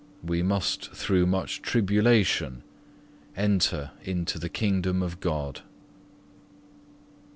We must through much tribulation enter into the kingdom of God.